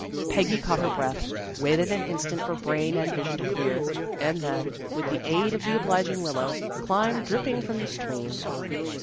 Peggy caught her breath, waited an instant for brain and vision to clear, and then, with the aid of the obliging willow, climbed dripping from the stream.